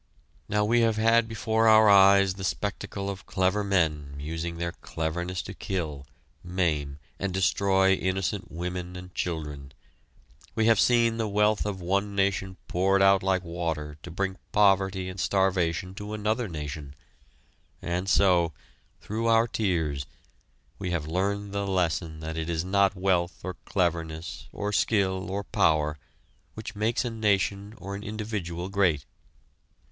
Now we have had before our eyes the spectacle of clever men using their cleverness to kill, maim and destroy innocent women and children; we have seen the wealth of one nation poured out like water to bring poverty and starvation to another nation, and so, through our tears, we have learned the lesson that it is not wealth or cleverness or skill or power which makes a nation or an individual great.